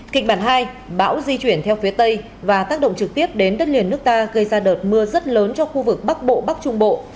kịch bản hai bão di chuyển theo phía tây và tác động trực tiếp đến đất liền nước ta gây ra đợt mưa rất lớn cho khu vực bắc bộ bắc trung bộ